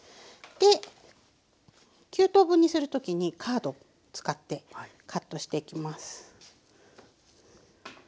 で９等分にする時にカード使ってカットしていきます。